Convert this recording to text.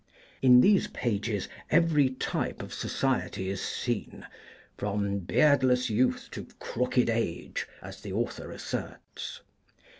In these pages every type of society is seen, "from beardless youth to crooked age," as the author asserts.